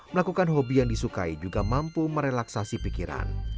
melakukan hobi yang disukai juga mampu merelaksasi pikiran